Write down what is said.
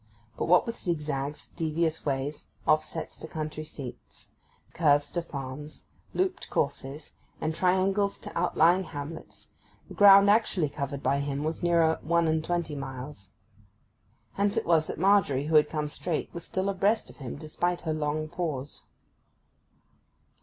But what with zigzags, devious ways, offsets to country seats, curves to farms, looped courses, and triangles to outlying hamlets, the ground actually covered by him was nearer one and twenty miles. Hence it was that Margery, who had come straight, was still abreast of him, despite her long pause.